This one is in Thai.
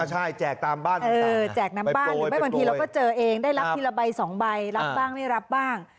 ใช่แจกตามบ้านแจกน้ำบ้านหรือไม่บางทีเราก็เจอเองได้รับทีละใบ๒ใบรับบ้างไม่รับบ้าง